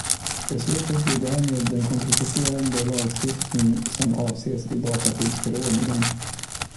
Beslutet blir därmed den konkretiserande lagstiftning som avses i dataskyddsförordningen.